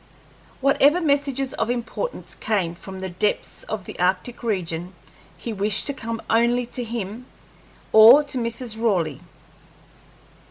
Whatever messages of importance came from the depths of the arctic regions he wished to come only to him or to Mrs. Raleigh.